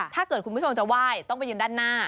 ถ้าเกิดคุณผู้ชมจะไหว้ต้องไปยืนด้านหน้า